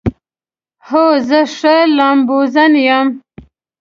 هو، زه ښه لامبوزن یم